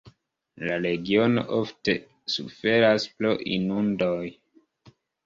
La regiono ofte suferas pro inundoj.